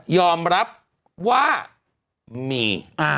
ยอมรับว่ามี